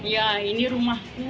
ya ini rumahku